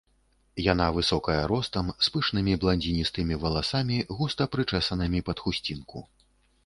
Яна высокая ростам, з пышнымі бландзіністымі валасамі, густа прычэсанымі пад хусцінку.